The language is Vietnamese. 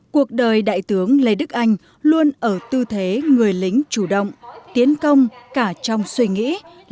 cuộc đời đại tướng lê đức anh luôn ở tư thế người lính chủ động tiến công cả trong suy nghĩ